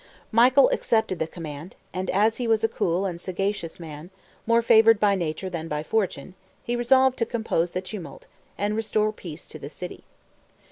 Michael accepted the command; and, as he was a cool and sagacious man, more favored by nature than by fortune, he resolved to compose the tumult, and restore peace to the city.